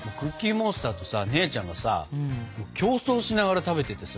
モンスターとさ姉ちゃんがさ競争しながら食べててさ。